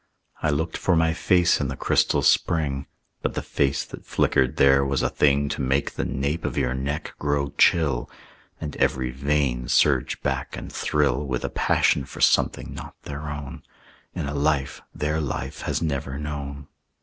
I looked for my face in the crystal spring, But the face that flickered there was a thing To make the nape of your neck grow chill, And every vein surge back and thrill With a passion for something not their own In a life their life has never known.